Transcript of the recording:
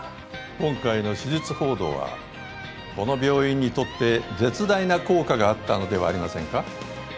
今回の手術報道はこの病院にとって絶大な効果があったのではありませんか？